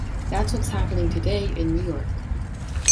That's what happening today in New York.